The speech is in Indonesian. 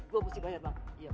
gue mesti bayar bang